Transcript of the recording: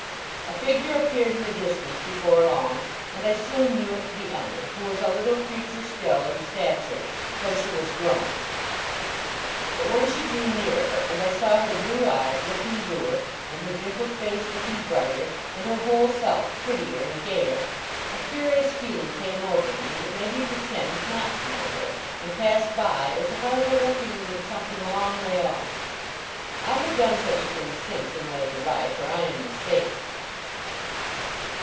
A figure appeared in the distance before long, and I soon knew it to be Em'ly, who was a little creature still in stature, though she was grown. But when she drew nearer, and I saw her blue eyes looking bluer, and her dimpled face looking brighter, and her whole self prettier and gayer, a curious feeling came over me that made me pretend not to know her, and pass by as if I were looking at something a long way off. I have done such a thing since in later life, or I am mistaken.